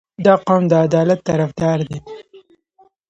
• دا قوم د عدالت طرفدار دی.